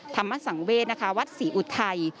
ธรรมสังเวศนะคะวัดศรีอุทัย